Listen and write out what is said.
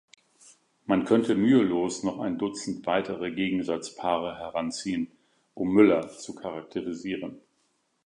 Man könnte mühelos noch ein Dutzend weitere Gegensatzpaare heranziehen, um Müller zu charakterisieren.